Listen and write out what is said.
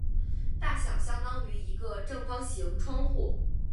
大小相当于一个正方形窗户。